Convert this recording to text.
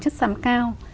chất xám cao